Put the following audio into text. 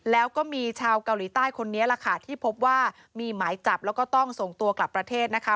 แล้วก็มีชาวเกาหลีใต้คนนี้แหละค่ะที่พบว่ามีหมายจับแล้วก็ต้องส่งตัวกลับประเทศนะคะ